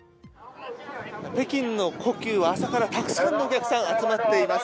北京の故宮は朝からたくさんのお客さん集まっています。